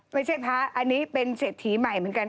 พระอันนี้เป็นเศรษฐีใหม่เหมือนกัน